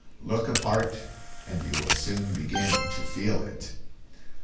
Look a part and you will soon begin to feel it.